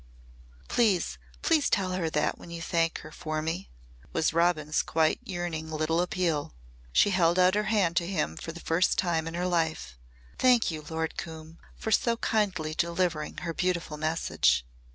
Please please tell her that when you thank her for me," was Robin's quite yearning little appeal. She held out her hand to him for the first time in her life. "Thank you, Lord Coombe, for so kindly delivering her beautiful message."